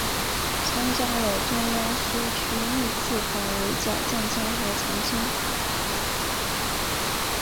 参加了中央苏区历次反围剿战争和长征。